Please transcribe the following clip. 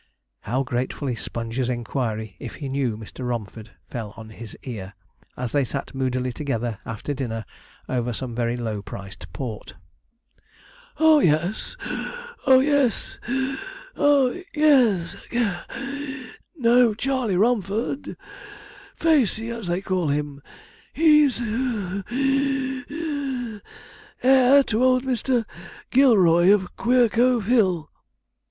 How gratefully Sponge's inquiry if he knew Mr. Romford fell on his ear, as they sat moodily together after dinner over some very low priced port. 'Oh yes (puff) oh yes (wheeze) oh yes! Know Charley Romford Facey, as they call him. He's (puff, wheeze, gasp) heir to old Mr. Gilroy, of Queercove Hill.'